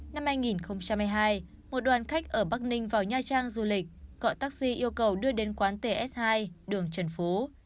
năm hai nghìn hai mươi hai một đoàn khách ở bắc ninh vào nha trang du lịch gọi taxi yêu cầu đưa đến quán ts hai đường trần phú